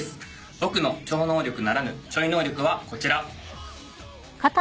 ボクの超能力ならぬちょい能力はこちら。